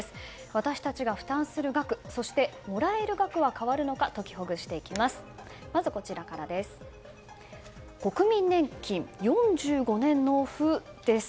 私たちが負担する額そしてもらえる額は変わるのかときほぐしていきます。